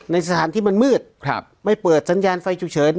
ในสถานที่มันมืดไม่เปิดสัญญาณไฟฉุกเฉิน